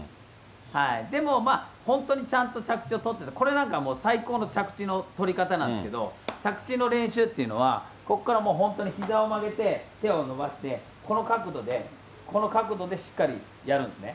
でも、本当にちゃんと着地を取って、これなんか最高の着地の取り方なんですけど、着地の練習っていうのは、ここから本当にひざを曲げて手を伸ばして、この角度でしっかりやるんですね。